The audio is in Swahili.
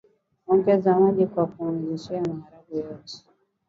ongeza maji kwa kuzamisha maharage yote